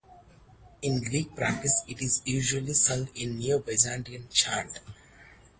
In Greek practice it is usually sung in Neo-Byzantine chant.